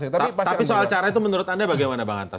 tapi soal cara itu menurut anda bagaimana bang anta